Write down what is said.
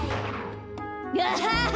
アハハ！